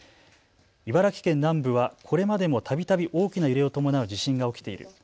茨城県南部はこれまでもたびたび大きな揺れを伴う地震が起きている。